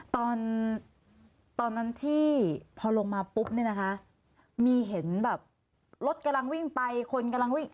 ตอนตอนนั้นที่พอลงมาปุ๊บเนี่ยนะคะมีเห็นแบบรถกำลังวิ่งไปคนกำลังวิ่ง